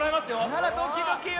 あらドキドキよ。